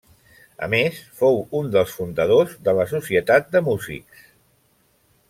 A més fou un dels fundadors de la Societat de Músics.